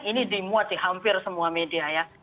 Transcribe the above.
ini dimuat di hampir semua media ya